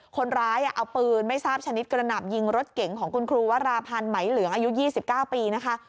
คนร้ายเอาปืนไม่ทราบชนิดกระหน่ำยิงรถเก๋งของคุณครูวราพันธ์ไหมเหลืองอายุ๒๙ปีนะคะ